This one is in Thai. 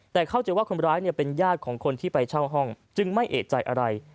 แต่เข้าใจว่าคนร้ายเป็นญาติของคนที่ไปเช่าห้องจึงไม่เอกใจอะไร